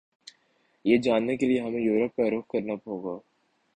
یہ جاننے کیلئے ہمیں یورپ کا رخ کرنا ہوگا